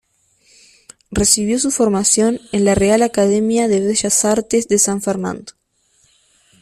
Recibió su formación en la Real Academia de Bellas Artes de San Fernando.